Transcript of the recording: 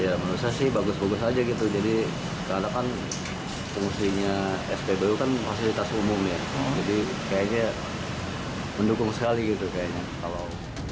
ya menurut saya sih bagus bagus aja gitu jadi karena kan fungsinya spbu kan fasilitas umum ya jadi kayaknya mendukung sekali gitu kayaknya kalau